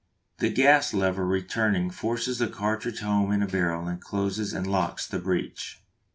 The gas lever returning forces the cartridge home in the barrel and closes and locks the breech.